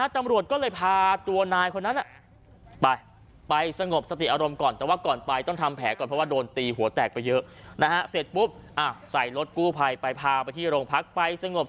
ตำรวจก็เลยพาตัวนายคนนั้นไปสงบสติอารมณ์ก่อนแต่ว่าก่อนไปต้องทำแผลก่อนเพราะว่าโดนตีหัวแตกไปเยอะ